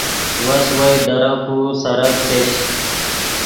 وس وئے درک و سرک چش